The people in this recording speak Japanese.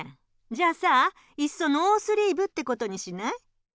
じゃあさいっそノースリーブってことにしない？